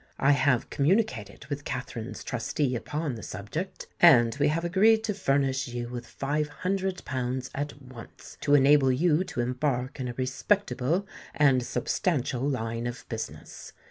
I have communicated with Katherine's trustee upon the subject; and we have agreed to furnish you with five hundred pounds at once, to enable you to embark in a respectable and substantial line of business.